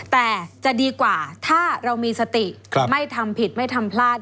แต่จะดีกว่าถ้าเรามีสติไม่ทำผิดไม่ทำพลาด